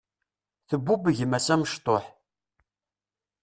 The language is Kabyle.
Tbubb gma-s amecṭuḥ.